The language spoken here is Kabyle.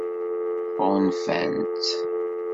Ɣunfant-tt?